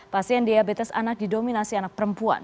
pasien diabetes anak didominasi anak perempuan